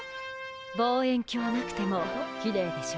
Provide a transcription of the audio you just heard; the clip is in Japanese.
望遠鏡なくてもきれいでしょ？